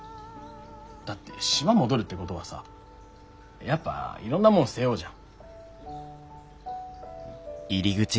だって島戻るってごどはさやっぱいろんなもん背負うじゃん。